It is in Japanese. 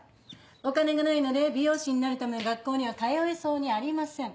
お金がないので美容師になるための学校には通えそうにありません。